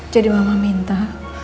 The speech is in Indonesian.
jadi mama minta